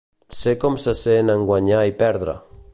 Sé com se sent en guanyar i perdre.